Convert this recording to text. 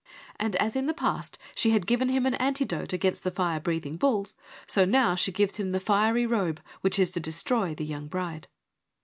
And as in the past she had given him an antidote against the fire breathing bulls, so now she gives him the fiery robe which is to destroy the young bride.